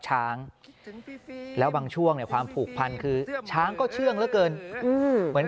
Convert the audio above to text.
ช้างแล้วบางช่วงเนี่ยความผูกพันคือช้างก็เชื่องเหลือเกินเหมือน